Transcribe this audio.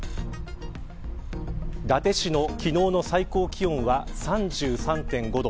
伊達市の昨日の最高気温は３３．５度。